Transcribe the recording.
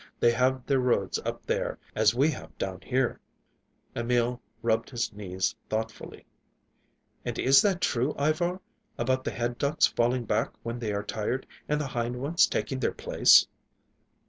They have their roads up there, as we have down here." Emil rubbed his knees thoughtfully. "And is that true, Ivar, about the head ducks falling back when they are tired, and the hind ones taking their place?"